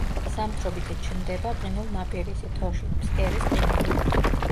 ზამთრობით ჩნდება ყინულნაპირისი, თოში, ფსკერის ყინული.